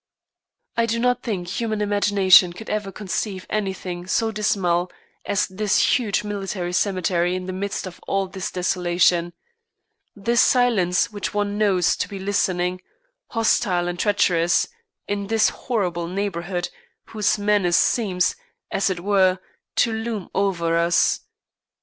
I do not think human imagination could ever conceive anything so dismal as this huge military cemetery in the midst of all this desolation, this silence which one knows to be listening, hostile and treacherous, in this horrible neighbourhood whose menace seems, as it were, to loom over us.